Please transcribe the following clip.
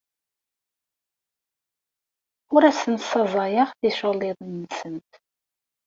Ur asent-ssaẓayeɣ ticulliḍin-nsent.